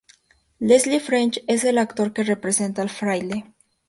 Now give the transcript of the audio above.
Leslie French es el actor que representa al fraile.